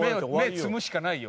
芽摘むしかないよ